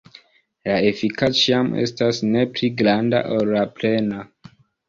La efika ĉiam estas ne pli granda ol la plena.